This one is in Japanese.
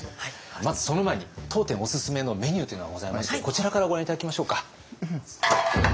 まずその前に当店オススメのメニューというのがございましてこちらからご覧頂きましょうか。